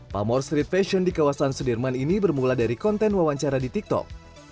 pamor street fashion di kawasan sudirman ini bermula dari konten wawancara di tiktok